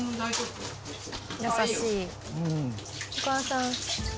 お母さん。